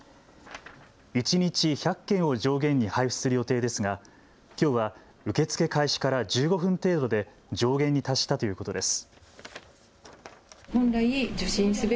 一日１００件を上限に配布する予定ですが、きょうは受け付け開始から１５分程度で上限に達したということです。